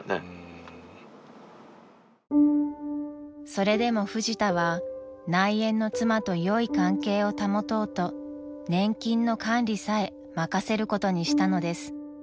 ［それでもフジタは内縁の妻とよい関係を保とうと年金の管理さえ任せることにしたのです］